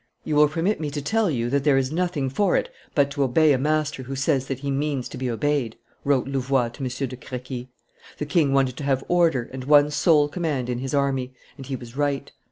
"You will permit me to tell you that there is nothing for it but to obey a master who says that he means to be obeyed," wrote Louvois to M. de Crequi. The king wanted to have order and one sole command in his army: and he was right.